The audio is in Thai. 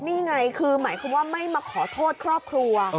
นี่ไงคือหมายความว่าไม่มาขอโทษครอบครัว